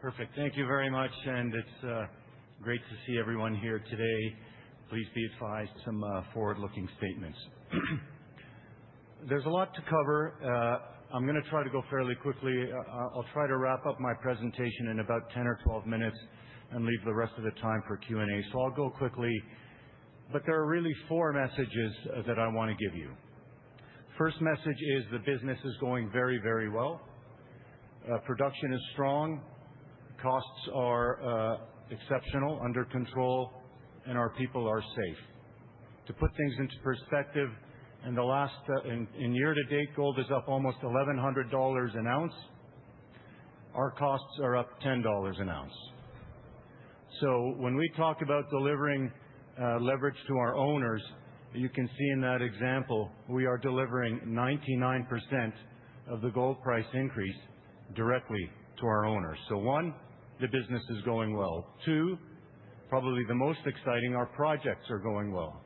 Perfect. Thank you very much, and it's great to see everyone here today. Please be advised some forward-looking statements. There's a lot to cover. I'm going to try to go fairly quickly. I'll try to wrap up my presentation in about 10 or 12 minutes and leave the rest of the time for Q&A. I'll go quickly, but there are really four messages that I want to give you. First message is the business is going very, very well. Production is strong. Costs are exceptional, under control, and our people are safe. To put things into perspective, in year-to-date gold is up almost $1,100 an ounce. Our costs are up $10 an ounce. When we talk about delivering leverage to our owners, you can see in that example we are delivering 99% of the gold price increase directly to our owners. One, the business is going well. Two, probably the most exciting, our projects are going well.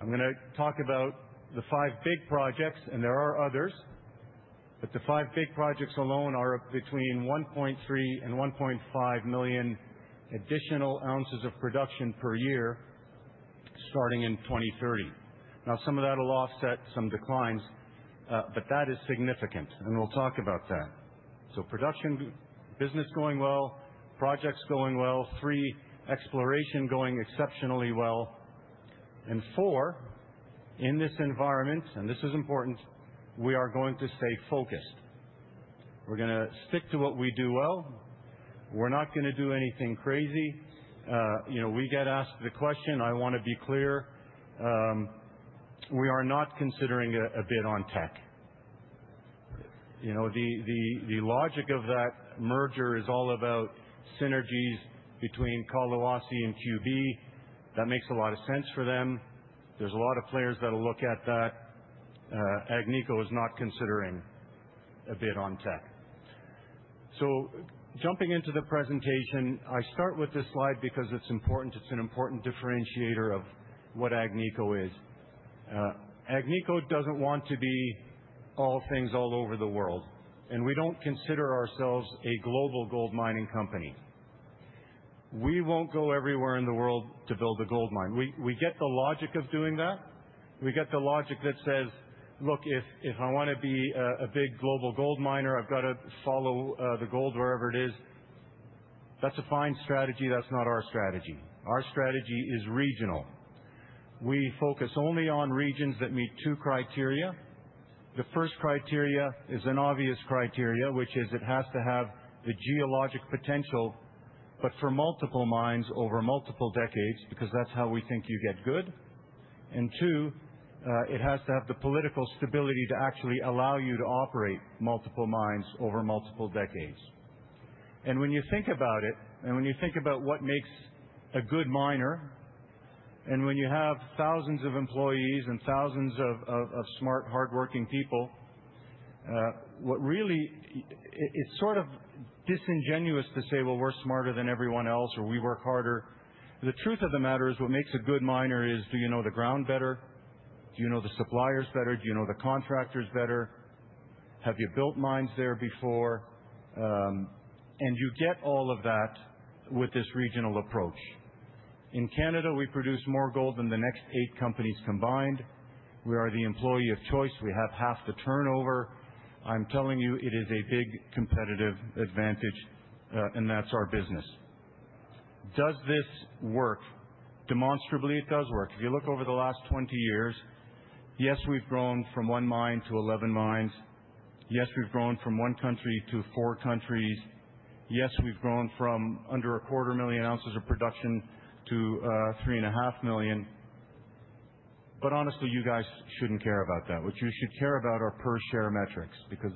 I am going to talk about the five big projects, and there are others, but the five big projects alone are between 1.3 million and 1.5 million additional ounces of production per year starting in 2030. Now, some of that will offset some declines, but that is significant, and we will talk about that. Production, business going well, projects going well, three, exploration going exceptionally well. Four, in this environment, and this is important, we are going to stay focused. We are going to stick to what we do well. We are not going to do anything crazy. We get asked the question, I want to be clear, we are not considering a bid on Teck. The logic of that merger is all about synergies between Collahuasi and QB. That makes a lot of sense for them. There's a lot of players that will look at that. Agnico is not considering a bid on Teck. Jumping into the presentation, I start with this slide because it's important. It's an important differentiator of what Agnico is. Agnico doesn't want to be all things all over the world, and we don't consider ourselves a global gold mining company. We won't go everywhere in the world to build a gold mine. We get the logic of doing that. We get the logic that says, "Look, if I want to be a big global gold miner, I've got to follow the gold wherever it is." That's a fine strategy. That's not our strategy. Our strategy is regional. We focus only on regions that meet two criteria. The first criteria is an obvious criteria, which is it has to have the geologic potential, but for multiple mines over multiple decades because that's how we think you get good. Two, it has to have the political stability to actually allow you to operate multiple mines over multiple decades. When you think about it, and when you think about what makes a good miner, and when you have thousands of employees and thousands of smart, hardworking people, it's sort of disingenuous to say, "Well, we're smarter than everyone else," or "We work harder." The truth of the matter is what makes a good miner is, do you know the ground better? Do you know the suppliers better? Do you know the contractors better? Have you built mines there before? You get all of that with this regional approach. In Canada, we produce more gold than the next eight companies combined. We are the employee of choice. We have half the turnover. I'm telling you, it is a big competitive advantage, and that's our business. Does this work? Demonstrably, it does work. If you look over the last 20 years, yes, we've grown from one mine to 11 mines. Yes, we've grown from one country to four countries. Yes, we've grown from under a quarter million ounces of production to 3.5 million. Honestly, you guys shouldn't care about that. What you should care about are per-share metrics because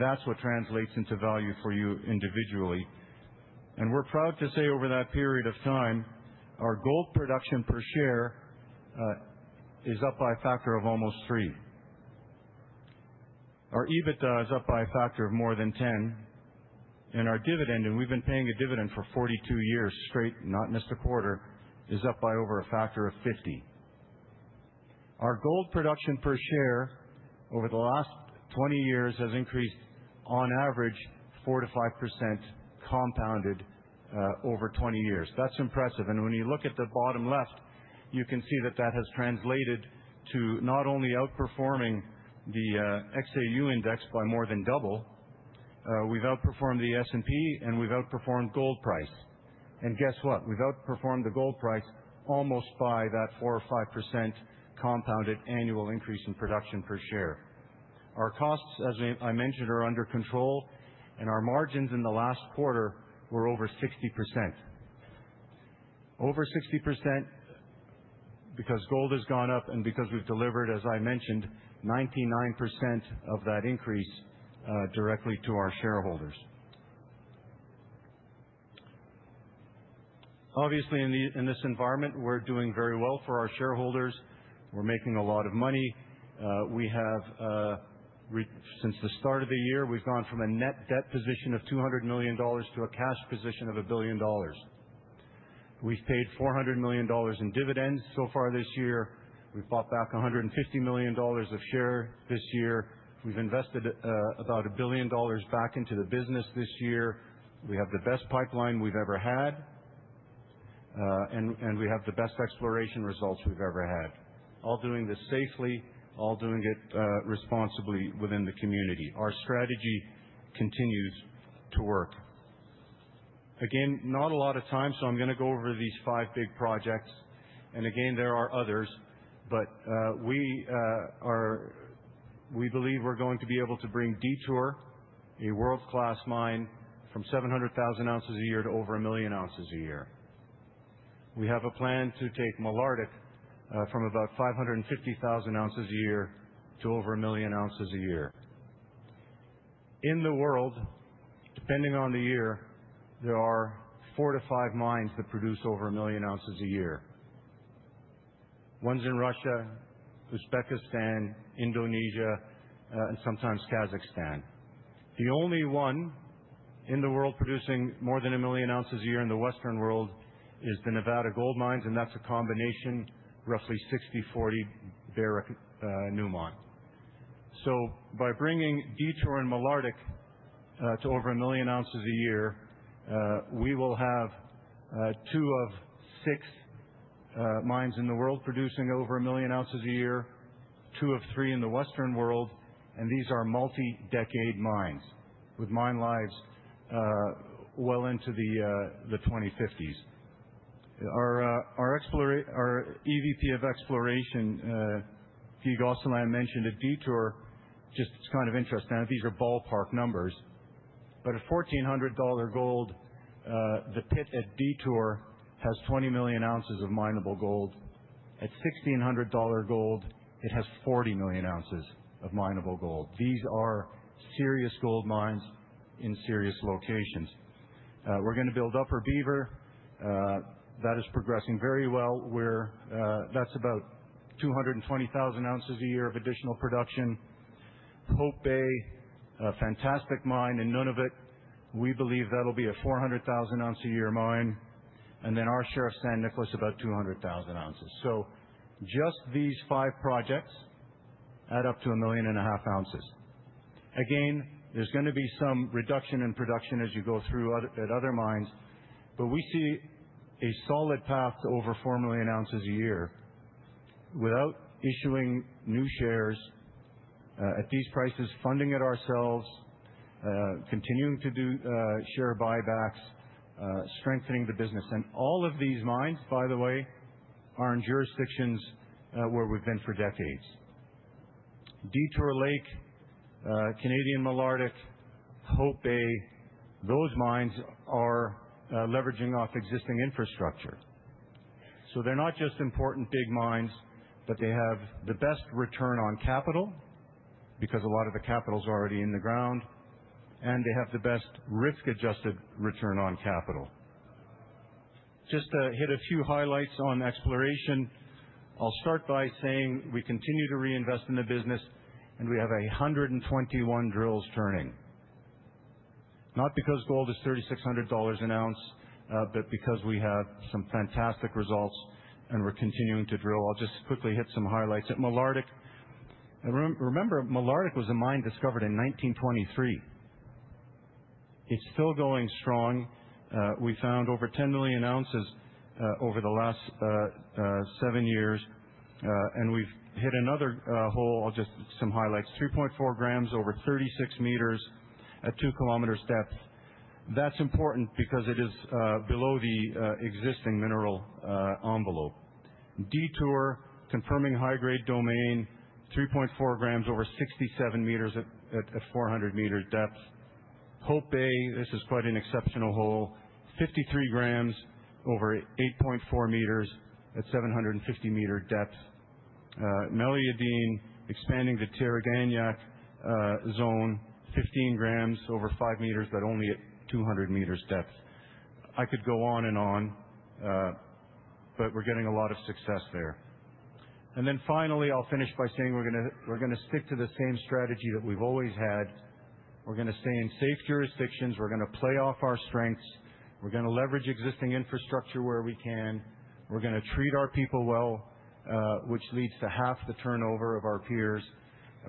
that's what translates into value for you individually. We're proud to say over that period of time, our gold production per share is up by a factor of almost three. Our EBITDA is up by a factor of more than 10. Our dividend, and we've been paying a dividend for 42 years straight, not missed a quarter, is up by over a factor of 50. Our gold production per share over the last 20 years has increased on average 4%-5% compounded over 20 years. That is impressive. When you look at the bottom left, you can see that that has translated to not only outperforming the XAU index by more than double. We've outperformed the S&P, and we've outperformed gold price. Guess what? We've outperformed the gold price almost by that 4%-5% compounded annual increase in production per share. Our costs, as I mentioned, are under control, and our margins in the last quarter were over 60%. Over 60% because gold has gone up and because we've delivered, as I mentioned, 99% of that increase directly to our shareholders. Obviously, in this environment, we're doing very well for our shareholders. We're making a lot of money. Since the start of the year, we've gone from a net debt position of $200 million to a cash position of $1 billion. We've paid $400 million in dividends so far this year. We've bought back $150 million of share this year. We've invested about $1 billion back into the business this year. We have the best pipeline we've ever had, and we have the best exploration results we've ever had, all doing this safely, all doing it responsibly within the community. Our strategy continues to work. Again, not a lot of time, so I'm going to go over these five big projects. Again, there are others, but we believe we're going to be able to bring Detour, a world-class mine, from 700,000 ounces a year to over 1 million ounces a year. We have a plan to take Malartic from about 550,000 ounces a year to over 1 million ounces a year. In the world, depending on the year, there are four to five mines that produce over 1 million ounces a year: ones in Russia, Uzbekistan, Indonesia, and sometimes Kazakhstan. The only one in the world producing more than 1 million ounces a year in the Western world is the Nevada Gold Mines, and that's a combination roughly 60/40 Barrick-Newmont. By bringing Detour and Malartic to over 1 million ounces a year, we will have two of six mines in the world producing over 1 million ounces a year, two of three in the Western world, and these are multi-decade mines with mine lives well into the 2050s. Our EVP of Exploration, Guy Gosselin, mentioned at Detour, just it's kind of interesting. These are ballpark numbers. At $1,400 gold, the pit at Detour has 20 million ounces of minable gold. At $1,600 gold, it has 40 million ounces of minable gold. These are serious gold mines in serious locations. We're going to build Upper Beaver. That is progressing very well. That's about 220,000 ounces a year of additional production. Hope Bay, a fantastic mine in Nunavut. We believe that'll be a 400,000-ounce-a-year mine. Then our share of San Nicolás, about 200,000 ounces. Just these five projects add up to 1.5 million ounces. Again, there's going to be some reduction in production as you go through at other mines, but we see a solid path to over 4 million ounces a year without issuing new shares at these prices, funding it ourselves, continuing to do share buybacks, strengthening the business. All of these mines, by the way, are in jurisdictions where we've been for decades. Detour Lake, Canadian Malartic, Hope Bay, those mines are leveraging off existing infrastructure. They're not just important big mines, but they have the best return on capital because a lot of the capital's already in the ground, and they have the best risk-adjusted return on capital. Just to hit a few highlights on exploration, I'll start by saying we continue to reinvest in the business, and we have 121 drills turning. Not because gold is $3,600 an ounce, but because we have some fantastic results and we're continuing to drill. I'll just quickly hit some highlights. At Malartic, remember, Malartic was a mine discovered in 1923. It's still going strong. We found over 10 million ounces over the last seven years, and we've hit another hole. I'll just hit some highlights. 3.4 grams over 36 meters at 2 km depth. That's important because it is below the existing mineral envelope. Detour, confirming high-grade domain, 3.4 grams over 67 meters at 400 meters depth. Hope Bay, this is quite an exceptional hole. 53 grams over 8.4 meters at 750 meters depth. Meliadine, expanding the Tiriganiaq zone, 15 grams over 5 meters, but only at 200 meters depth. I could go on and on, but we're getting a lot of success there. Finally, I'll finish by saying we're going to stick to the same strategy that we've always had. We're going to stay in safe jurisdictions. We're going to play off our strengths. We're going to leverage existing infrastructure where we can. We're going to treat our people well, which leads to half the turnover of our peers.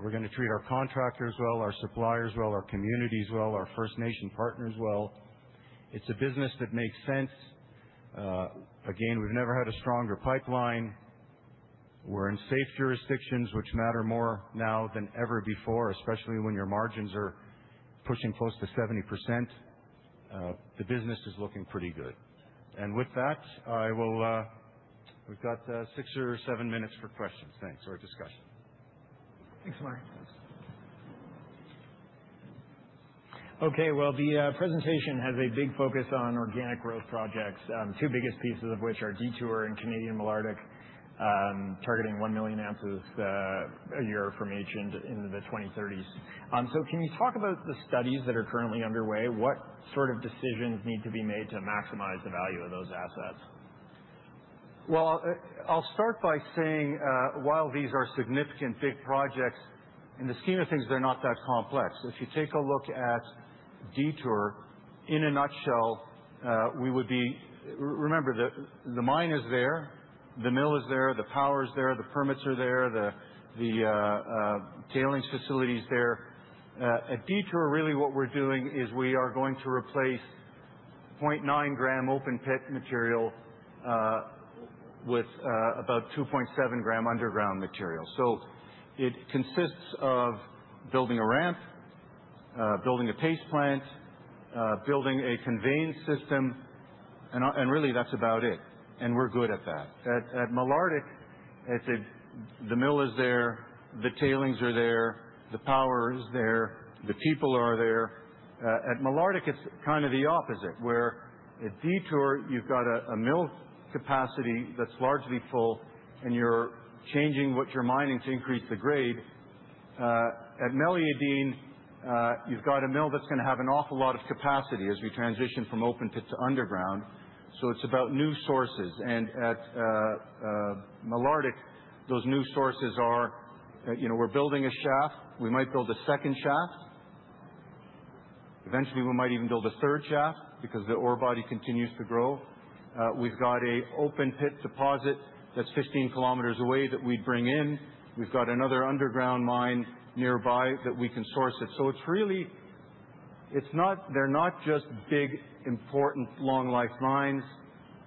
We're going to treat our contractors well, our suppliers well, our communities well, our First Nation partners well. It's a business that makes sense. Again, we've never had a stronger pipeline. We're in safe jurisdictions, which matter more now than ever before, especially when your margins are pushing close to 70%. The business is looking pretty good. With that, we've got six or seven minutes for questions. Thanks. Or discussion. Thanks, Ammar. Okay. The presentation has a big focus on organic growth projects, two biggest pieces of which are Detour and Canadian Malartic, targeting 1 million ounces a year from each into the 2030s. Can you talk about the studies that are currently underway? What sort of decisions need to be made to maximize the value of those assets? I'll start by saying, while these are significant big projects, in the scheme of things, they're not that complex. If you take a look at Detour, in a nutshell, we would be, remember, the mine is there, the mill is there, the power is there, the permits are there, the tailings facility is there. At Detour, really what we're doing is we are going to replace 0.9-gram open-pit material with about 2.7-gram underground material. It consists of building a ramp, building a paste plant, building a conveyance system, and really that's about it. We're good at that. At Malartic, the mill is there, the tailings are there, the power is there, the people are there. At Malartic, it's kind of the opposite, where at Detour, you've got a mill capacity that's largely full, and you're changing what you're mining to increase the grade. At Malartic, you've got a mill that's going to have an awful lot of capacity as we transition from open-pit to underground. It's about new sources. At Malartic, those new sources are we're building a shaft. We might build a second shaft. Eventually, we might even build a third shaft because the ore body continues to grow. We've got an open-pit deposit that's 15 km away that we'd bring in. We've got another underground mine nearby that we can source it. It's really they're not just big, important, long-life mines.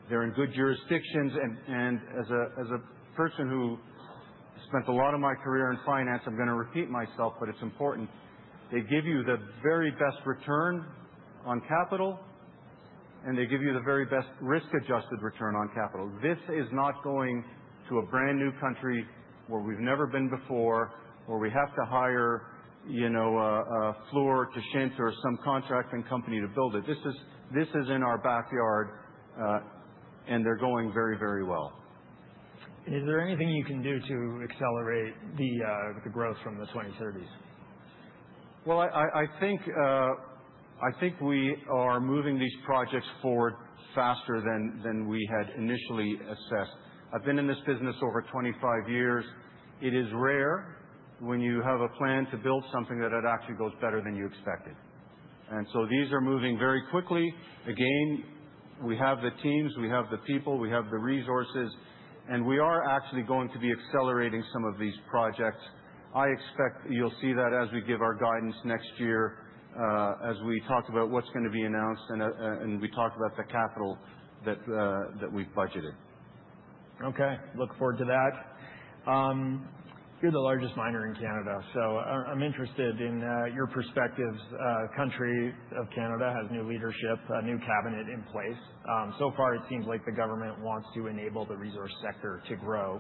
They're in good jurisdictions. As a person who spent a lot of my career in finance, I'm going to repeat myself, but it's important. They give you the very best return on capital, and they give you the very best risk-adjusted return on capital. This is not going to a brand new country where we've never been before, where we have to hire Fluor to shint or some contracting company to build it. This is in our backyard, and they're going very, very well. Is there anything you can do to accelerate the growth from the 2030s? I think we are moving these projects forward faster than we had initially assessed. I've been in this business over 25 years. It is rare when you have a plan to build something that actually goes better than you expected. These are moving very quickly. We have the teams, we have the people, we have the resources, and we are actually going to be accelerating some of these projects. I expect you'll see that as we give our guidance next year as we talk about what is going to be announced, and we talk about the capital that we have budgeted. I look forward to that. You are the largest miner in Canada, so I am interested in your perspectives. The country of Canada has new leadership, a new cabinet in place. So far, it seems like the government wants to enable the resource sector to grow.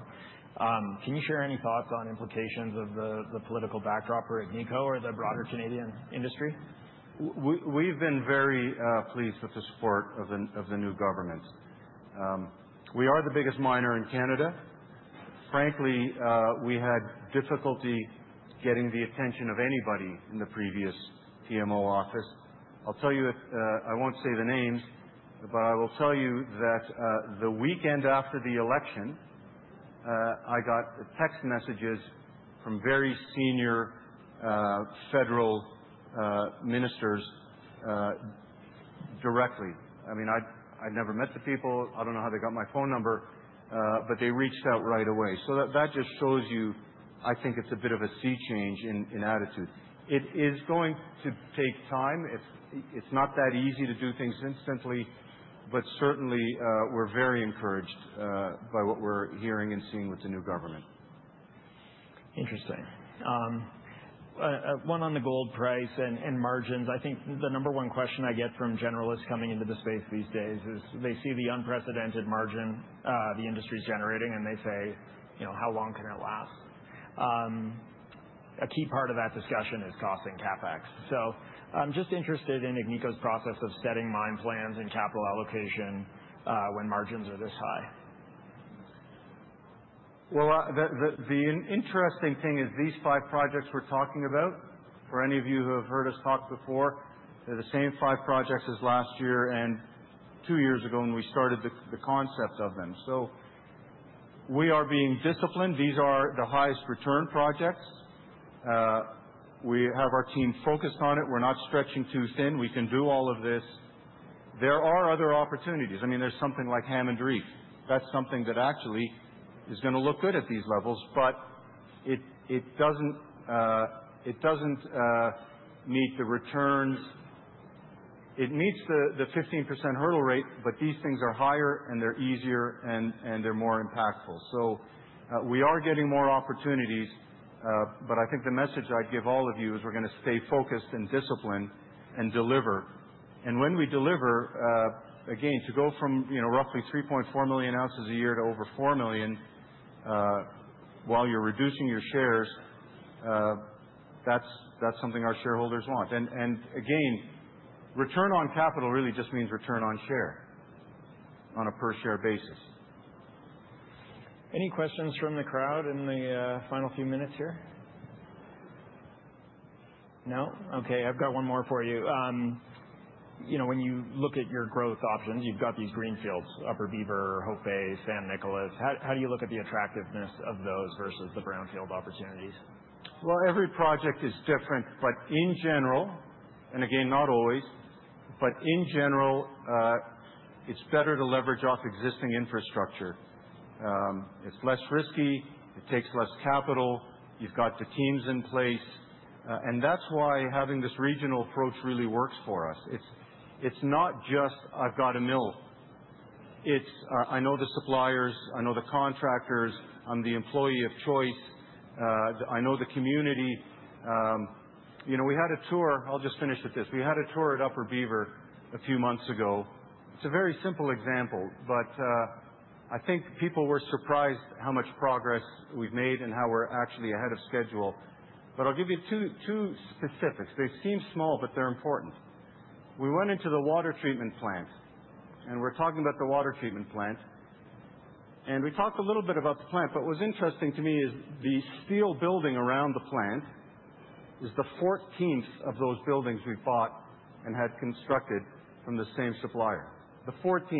Can you share any thoughts on implications of the political backdrop for Agnico or the broader Canadian industry? We've been very pleased with the support of the new government. We are the biggest miner in Canada. Frankly, we had difficulty getting the attention of anybody in the previous PMO office. I'll tell you I won't say the names, but I will tell you that the weekend after the election, I got text messages from very senior federal ministers directly. I mean, I'd never met the people. I don't know how they got my phone number, but they reached out right away. That just shows you, I think it's a bit of a sea change in attitude. It is going to take time. It's not that easy to do things instantly, but certainly, we're very encouraged by what we're hearing and seeing with the new government. Interesting. One on the gold price and margins. I think the number one question I get from generalists coming into the space these days is they see the unprecedented margin the industry's generating, and they say, "How long can it last?" A key part of that discussion is cost and CapEx. I am just interested in Agnico's process of setting mine plans and capital allocation when margins are this high. The interesting thing is these five projects we are talking about, for any of you who have heard us talk before, they are the same five projects as last year and two years ago when we started the concept of them. We are being disciplined. These are the highest return projects. We have our team focused on it. We are not stretching too thin. We can do all of this. There are other opportunities. I mean, there is something like Hammond Reef. That's something that actually is going to look good at these levels, but it doesn't meet the returns. It meets the 15% hurdle rate, but these things are higher, and they're easier, and they're more impactful. We are getting more opportunities, but I think the message I'd give all of you is we're going to stay focused and disciplined and deliver. When we deliver, again, to go from roughly 3.4 million ounces a year to over 4 million while you're reducing your shares, that's something our shareholders want. Again, return on capital really just means return on share on a per-share basis. Any questions from the crowd in the final few minutes here? No? Okay. I've got one more for you. When you look at your growth options, you've got these greenfields: Upper Beaver, Hope Bay, San Nicolás. How do you look at the attractiveness of those versus the brownfield opportunities? Every project is different, but in general and again, not always, but in general, it's better to leverage off existing infrastructure. It's less risky. It takes less capital. You've got the teams in place. That is why having this regional approach really works for us. It's not just, "I've got a mill." It's, "I know the suppliers. I know the contractors. I'm the employee of choice. I know the community." We had a tour—I will just finish with this—we had a tour at Upper Beaver a few months ago. It's a very simple example, but I think people were surprised how much progress we've made and how we're actually ahead of schedule. I will give you two specifics. They seem small, but they're important. We went into the water treatment plant, and we're talking about the water treatment plant. We talked a little bit about the plant, but what's interesting to me is the steel building around the plant is the 14th of those buildings we've bought and had constructed from the same supplier. The 14th.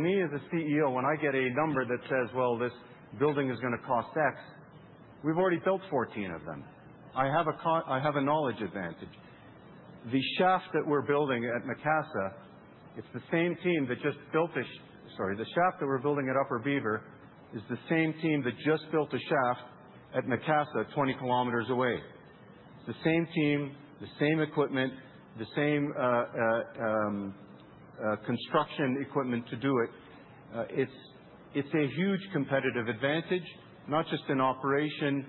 Me, as a CEO, when I get a number that says, "This building is going to cost X," we've already built 14 of them. I have a knowledge advantage. The shaft that we're building at Upper Beaver is the same team that just built a shaft at Macassa, 20 km away. It's the same team, the same equipment, the same construction equipment to do it. It's a huge competitive advantage, not just in operation,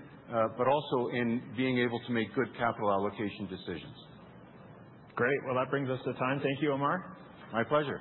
but also in being able to make good capital allocation decisions. Great. That brings us to time. Thank you, Ammar. My pleasure.